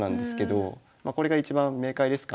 これが一番明快ですかね。